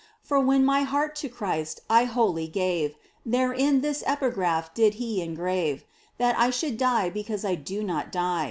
For when my heart to Christ I wholly gave Therein this epigraph did He engrave — That I should die because I do not die